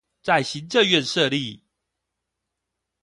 在行政院設立